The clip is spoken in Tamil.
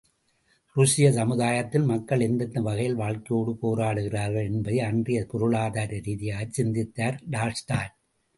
ருஷ்ய சமுதாயத்தில் மக்கள் எந்தெந்த வகையில் வாழ்க்கையோடு போராடுகிறார்கள் என்பதை அன்றைய பொருளாதார ரீதியாகச் சிந்தித்தார் டால்ஸ்டாய்.